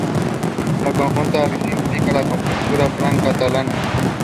Throughout his singing career.